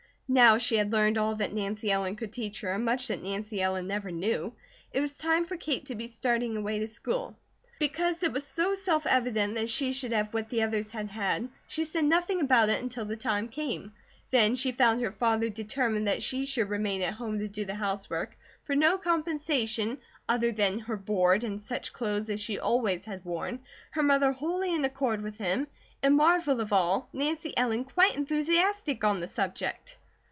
Now she had learned all that Nancy Ellen could teach her, and much that Nancy Ellen never knew: it was time for Kate to be starting away to school. Because it was so self evident that she should have what the others had had, she said nothing about it until the time came; then she found her father determined that she should remain at home to do the housework, for no compensation other than her board and such clothes as she always had worn, her mother wholly in accord with him, and marvel of all, Nancy Ellen quite enthusiastic on the subject.